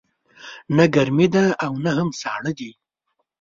نه ګرمې ده او نه هم ساړه دی